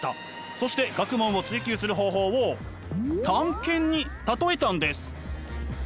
そして学問を追究する方法を探検に例えたんです。